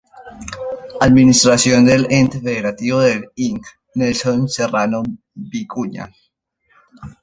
Administración del ente Federativo del Ing. Nelson Serrano Vicuña.